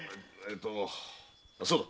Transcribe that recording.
そうだ！